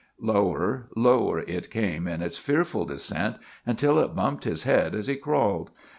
Lower, lower it came in its fearful descent, until it bumped his head as he crawled.